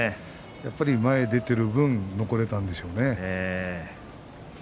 やっぱり前に出ている分残れたんでしょうね。